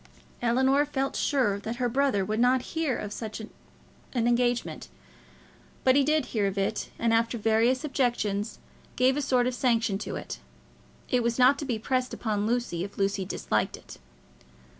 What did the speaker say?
Ellinor felt sure that her brother would not hear of such an engagement, but he did hear of it, and, after various objections, gave a sort of sanction to it. It was not to be pressed upon Lucy if Lucy disliked it.